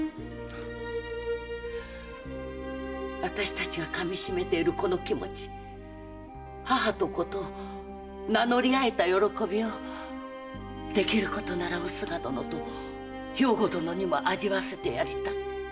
私たちが噛みしめているこの気持ち母と子と名乗りあえた喜びをできることならおすが殿と兵庫殿にも味わわせてやりたい。